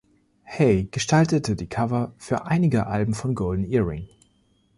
Hay gestaltete die Cover für einige Alben von Golden Earring.